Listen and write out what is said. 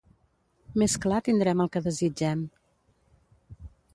més clar tindrem el que desitgem